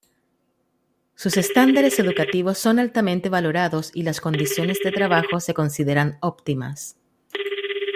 Sus estándares educativos son altamente valorados y las condiciones de trabajo se consideran óptimas.